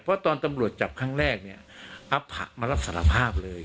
เพราะตอนตำรวจจับครั้งแรกเนี่ยอภะมารับสารภาพเลย